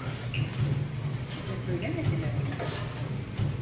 Size söylemediler mi?